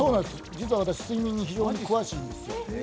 実は私、睡眠に非常に詳しいんですよ。